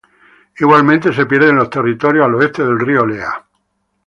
Igualmente se pierden los territorios al oeste del río Lea.